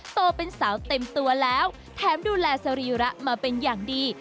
โตเป็นสาวเต็มตัวแล้วแถมดูแลสรีระมาเป็นอย่างดี